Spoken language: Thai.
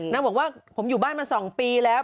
บอกว่าผมอยู่บ้านมา๒ปีแล้ว